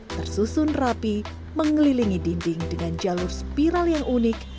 tersusun rapi mengelilingi dinding dengan jalur spiral yang unik